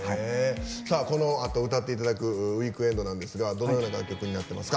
このあと歌っていただく「ＷＥＥＫＥＮＤ」なんですがどのような楽曲になっていますか。